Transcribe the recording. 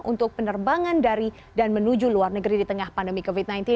untuk penerbangan dari dan menuju luar negeri di tengah pandemi covid sembilan belas